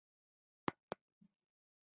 خو دا به هم منو چې